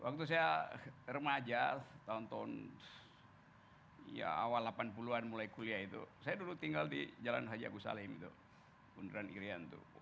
waktu saya remaja tahun tahun ya awal delapan puluh an mulai kuliah itu saya dulu tinggal di jalan haji agus salim itu bundaran irian tuh